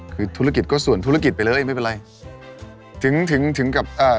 คือธุรกิจก็ส่วนธุรกิจไปเลยไม่เป็นไร